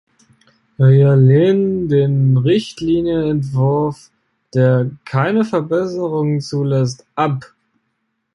Wir lehnen den Richtlinienentwurf, der keine Verbesserungen zulässt, ab.